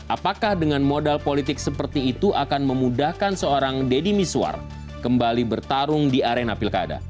apakah dengan modal politik seperti itu akan memudahkan seorang deddy miswar kembali bertarung di arena pilkada